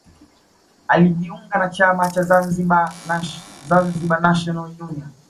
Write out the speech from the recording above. Alijiunga na chama cha Zanzibar National Union